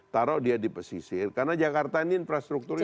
taruh dia di pesisir karena jakarta ini infrastrukturnya